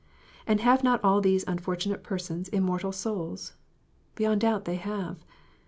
And have not all these unfortunate persons immortal souls < \ Beyond doubt they have.